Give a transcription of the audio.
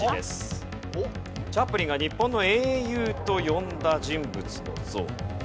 チャップリンが「日本の英雄」と呼んだ人物の像。